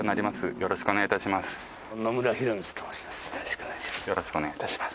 よろしくお願いします。